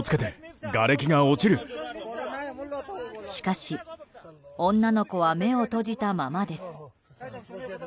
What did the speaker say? しかし、女の子は目を閉じたままです。